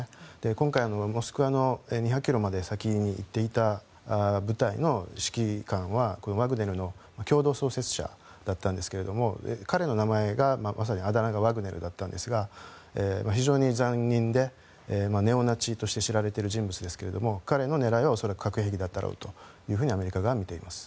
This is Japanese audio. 今回、モスクワの２００ｋｍまで先に行っていた部隊の指揮官はワグネルの共同創設者だったんですが彼の名前が、まさにあだ名がワグネルだったんですが非常に残忍で、ネオナチとして知られている人物ですが彼の狙いは恐らく核兵器だっただろうとアメリカ側は見ています。